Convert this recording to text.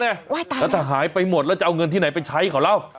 แล้วถ้าหายไปหมดแล้วจะเอาเงินที่ไหนไปใช้เขาแล้ว